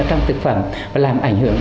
trong thực phẩm và làm ảnh hưởng